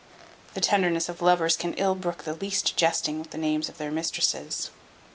The tenderness of lovers can ill brook the least jesting with the names of their mistresses.